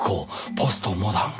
『ポストモダン』。